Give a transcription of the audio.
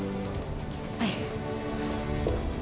はい。